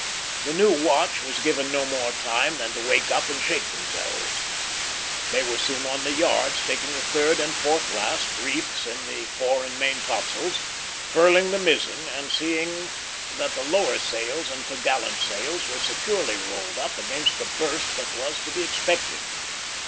The new watch was given no more time than to wake up and shake themselves. They were soon on the yards, taking the third and fourth last reefs in the fore and main topsails, furling the mizzen, and seeing that the lower sails and topgallant sails were securely rolled up against the burst that was to be expected.